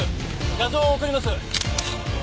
画像を送ります。